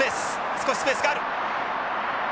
少しスペースがある。